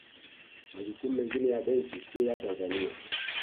Majukumu mengine ya Benki Kuu ya Tanzania